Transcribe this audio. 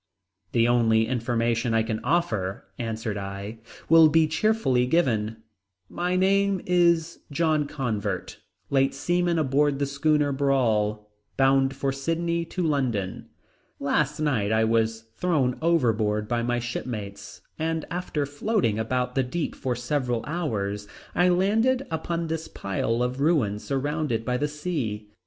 "The only information I can offer," answered I, "will be cheerfully given. My name is John Convert, late seaman aboard the schooner Brawl, bound from Sydney to London. Last night I was thrown overboard by my shipmates and after floating about the deep for several hours I landed upon this pile of ruins surrounded by the sea.